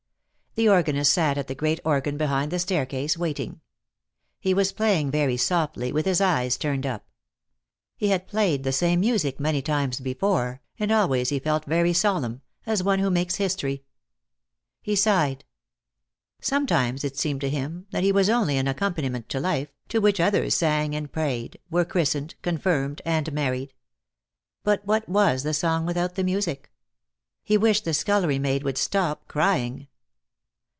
The organist sat at the great organ behind the staircase, waiting. He was playing very softly, with his eyes turned up. He had played the same music many times before, and always he felt very solemn, as one who makes history. He sighed. Sometimes it seemed to him that he was only an accompaniment to life, to which others sang and prayed, were christened, confirmed and married. But what was the song without the music? He wished the scullery maid would stop crying.